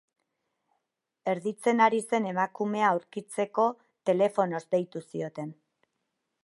Erditzen ari zen emakumea aurkitzeko telefonoz deitu zioten.